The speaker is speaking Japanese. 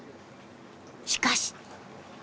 しかし。